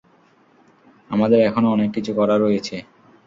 আমাদের এখনও অনেক কিছু করার রয়েছে।